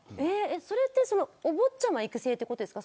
それは、お坊ちゃま育成ということですか。